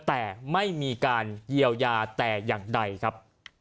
แต่ไม่มีการเยียวยาแต่อย่างใดครับ